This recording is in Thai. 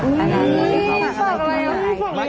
อุ้ยฝากอะไร